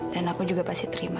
dan aku juga pasti terima